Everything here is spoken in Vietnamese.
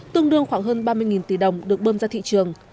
tương đương khoảng hơn ba mươi tỷ đồng được bơm ra thị trường